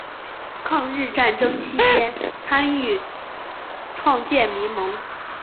抗日战争期间参与创建民盟。